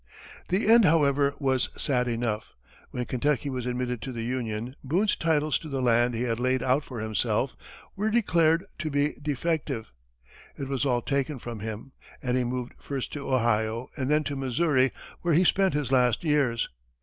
The end, however, was sad enough. When Kentucky was admitted to the Union, Boone's titles to the land he had laid out for himself were declared to be defective; it was all taken from him, and he moved first to Ohio, and then to Missouri, where he spent his last years.